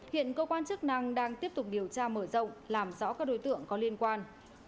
hiện cơ quan chức năng đang tiếp tục điều tra mở rộng làm rõ các đối tượng có liên quan